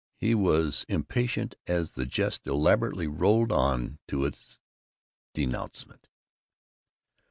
He was impatient as the jest elaborately rolled on to its dénouement.